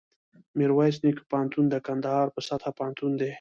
میرویس نیکه پوهنتون دکندهار په سطحه پوهنتون دی